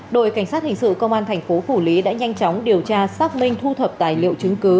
đội cảnh sát hình sự công an thành phố phủ lý đã nhanh chóng điều tra xác minh thu thập tài liệu chứng cứ